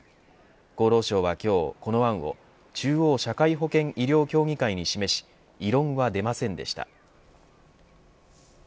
厚労省は今日この案を中央社会保険医療協議会に示し異論は出ませんでした。